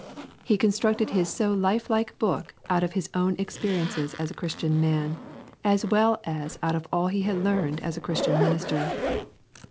He constructed his so lifelike book out of his own experiences as a Christian man, as well as out of all he had learned as a Christian minister.